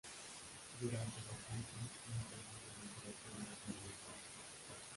Durante los siguientes meses no intervino en operaciones de relevancia.